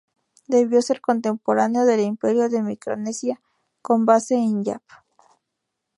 Debió ser contemporáneo del Imperio de Micronesia, con base en Yap.